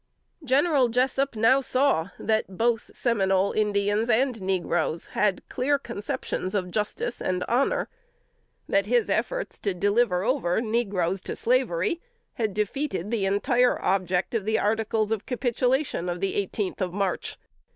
General Jessup now saw that both Seminole Indians and negroes had clear conceptions of justice and honor. That his efforts to deliver over negroes to slavery had defeated the entire object of the articles of capitulation of the eighteenth of March.